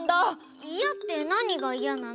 いやってなにがいやなの？